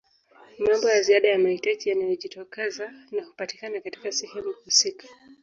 Mambo ya ziada ya mahitaji yanayojitokeza na hupatikana katika sehemu husika